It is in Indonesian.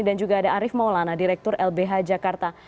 dan juga ada arief maulana direktur lbh jakarta